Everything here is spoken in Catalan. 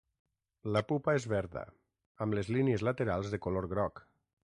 La pupa és verda, amb les línies laterals de color groc.